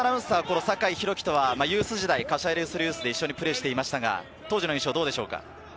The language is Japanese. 酒井宏樹とはユース時代、柏レイソルユースでプレーしていましたが、当時の印象はどうでしょうか。